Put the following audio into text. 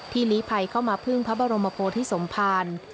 ลีภัยเข้ามาพึ่งพระบรมโพธิสมภาร